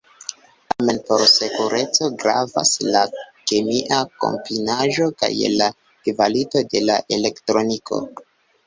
Tamen por sekureco gravas la kemia kombinaĵo kaj la kvalito de la elektroniko.